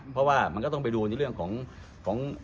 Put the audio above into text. เพราะว่ามันก็ต้องไปดูในเรื่องของระเบียบคนต่างนะครับ